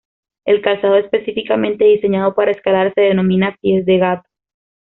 El calzado específicamente diseñado para escalar se denomina pies de gato.